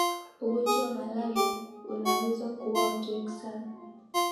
ugonjwa wa malaria unaoweza kuua awatu wengi sana